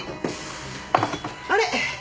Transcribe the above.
あれ？